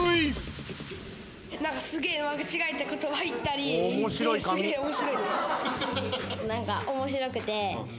何かすげえ間違えた言葉言ったりすげえ面白いです。